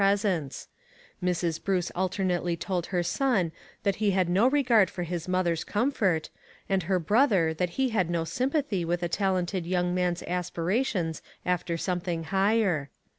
presence ; Mrs. Bruce alternately told her son that he had no regard for his mother's comfort, and her brother that he had no sympathy with a talented young man's aspirations after something higher.